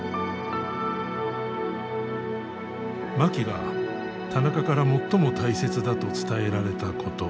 槇が田中から最も大切だと伝えられたこと。